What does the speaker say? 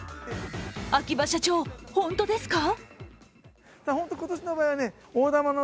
秋葉社長、本当ですか？